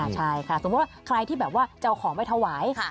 ใช่ค่ะสมมุติว่าใครที่แบบว่าจะเอาของไปถวาย